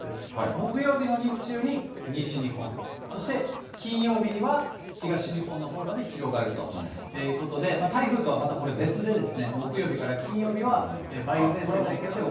木曜日の日中に西日本、そして金曜日には東日本のほうまで広がるということで、台風とはまた別で、木曜日から金曜日は梅雨前線の影響で大雨。